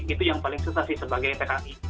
itu yang paling susah sih sebagai tki